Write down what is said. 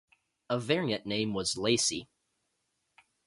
A variant name was "Lacey".